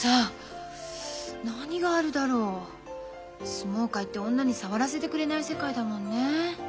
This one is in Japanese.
相撲界って女に触らせてくれない世界だもんねえ。